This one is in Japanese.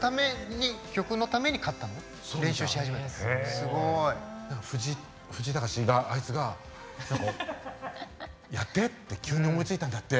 すごい！藤井隆があいつが「やって」って急に思いついたんだって。